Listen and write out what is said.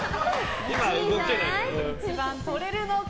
１番とれるのか。